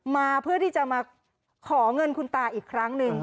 มาเพื่อที่จะมาขอเงินคุณตาอีกครั้งหนึ่ง